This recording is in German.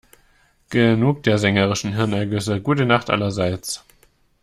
Genug der sängerischen Hirnergüsse - gute Nacht, allerseits.